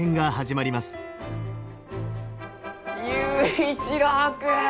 佑一郎君！